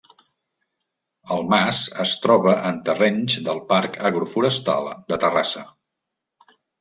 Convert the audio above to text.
El mas es troba en terrenys del Parc Agroforestal de Terrassa.